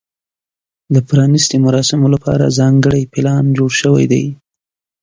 د پرانیستې مراسمو لپاره ځانګړی پلان جوړ شوی دی.